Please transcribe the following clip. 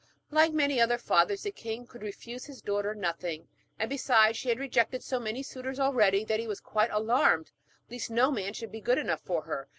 Like many other fathers, the king could refuse his daughter nothing, and besides, she had rejected so many suitors already that he was quite alarmed lest no man should be good enough for her.